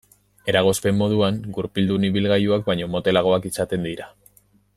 Eragozpen moduan, gurpildun ibilgailuak baino motelagoak izaten dira.